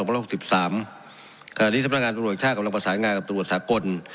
คราวนี้สำนักงานสมุทรหัวเองชาติกับรังประสานงานกับตรวจสากล